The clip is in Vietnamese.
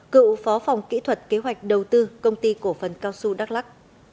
cựu phó phòng kỹ thuật kế hoạch đầu tư công ty cổ phần cao xu đắk lắc